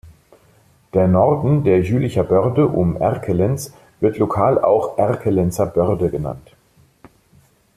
Der Norden der Jülicher Börde um Erkelenz wird lokal auch "Erkelenzer Börde" genannt.